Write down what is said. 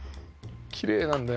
きれいなんだよ